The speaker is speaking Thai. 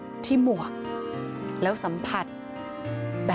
คุณผู้ชมค่ะคุณผู้ชมค่ะ